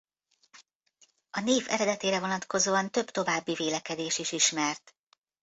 A név eredetére vonatkozóan több további vélekedés is ismert.